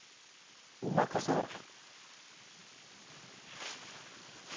お任せあれ。